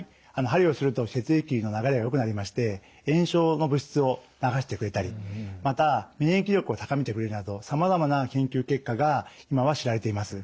鍼をすると血液の流れがよくなりまして炎症の物質を流してくれたりまた免疫力を高めてくれるなどさまざまな研究結果が今は知られています。